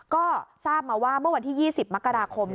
ก็ทราบมาว่าเมื่อวันที่๒๐มกราคม